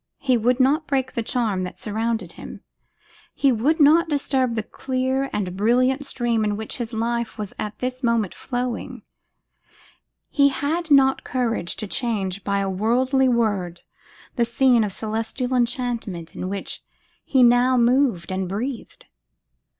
He would not break the charm that surrounded him; he would not disturb the clear and brilliant stream in which his life was at this moment flowing; he had not courage to change by a worldly word the scene of celestial enchantment in which he now moved and breathed.